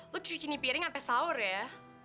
lo cuci nih piring sampe sahur ya